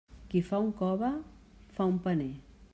Qui fa un cove, fa un paner.